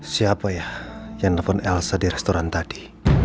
siapa ya yang nelfon elsa di restoran tadi